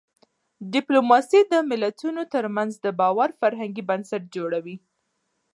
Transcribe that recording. ډيپلوماسي د ملتونو ترمنځ د باور فرهنګي بنسټ جوړوي.